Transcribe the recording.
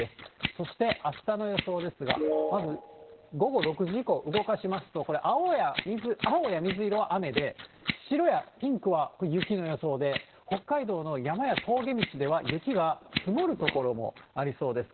そしてあしたの予想ですが、まず午後６時以降、動かしますと、これ青や水色は雨で、白やピンクは雪の予想で、北海道の山や峠道では雪が積もる所もありそうです。